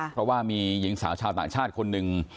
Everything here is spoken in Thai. เพราะว่ามีหญิงสาวชาวต่างชาติคนหนึ่ง